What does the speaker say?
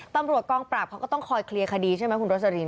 ตำรวจกองปราบเขาก็ต้องคอยเคลียร์คดีใช่ไหมคุณโรสลิน